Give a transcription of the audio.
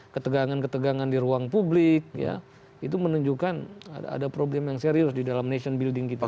ketegangan ketegangan di ruang publik ya itu menunjukkan ada problem yang serius di dalam nation building kita